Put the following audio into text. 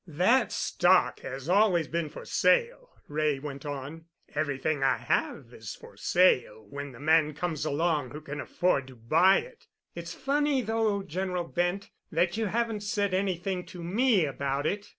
"That stock has always been for sale," Wray went on. "Everything I have is for sale when the man comes along who can afford to buy it. It's funny, though, General Bent, that you haven't said anything to me about it."